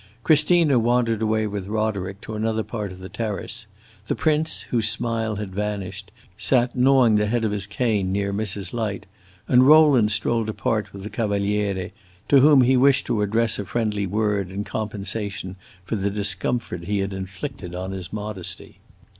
Christina wandered away with Roderick to another part of the terrace; the prince, whose smile had vanished, sat gnawing the head of his cane, near Mrs. Light, and Rowland strolled apart with the Cavaliere, to whom he wished to address a friendly word in compensation for the discomfort he had inflicted on his modesty.